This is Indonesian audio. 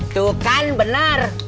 tuh kan benar